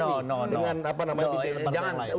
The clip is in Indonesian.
dengan bpn partai melayu